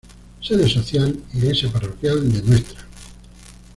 Sede Social: iglesia parroquial de Ntra.